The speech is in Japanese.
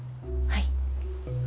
はい。